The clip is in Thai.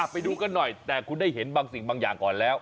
ไปดูกันหน่อยแต่คุณได้เห็นบางสิ่งบางอย่างก่อนแล้ว